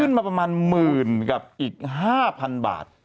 ขึ้นมาประมาณ๑๐๐๐๐กับอีก๕๐๐๐บาท